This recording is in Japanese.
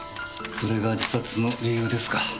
それが自殺の理由ですか。